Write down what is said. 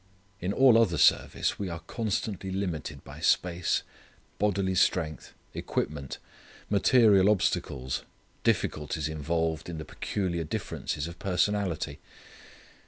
In all other service we are constantly limited by space, bodily strength, equipment, material obstacles, difficulties involved in the peculiar differences of personality.